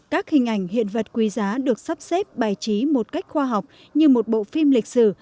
các hình ảnh hiện vật quý giá được sắp xếp bài trí một cách khoa học như một bộ phim lịch sử